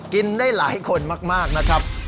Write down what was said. กินได้หลายคนมากนะครับ